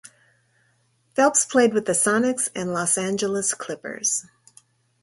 Phelps played with the Sonics and Los Angeles Clippers.